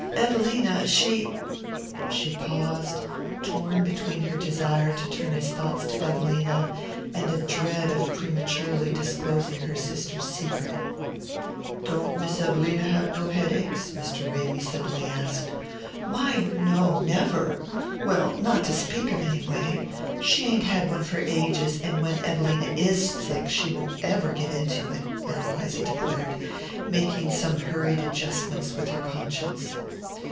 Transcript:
Evelina, she " She paused, torn between her desire to turn his thoughts to Evelina, and the dread of prematurely disclosing her sister's secret. "Don't Miss Evelina have no headaches?" Mr. Ramy suddenly asked. "My, no, never well, not to speak of, anyway. She ain't had one for ages, and when Evelina IS sick she won't never give in to it," Ann Eliza declared, making some hurried adjustments with her conscience.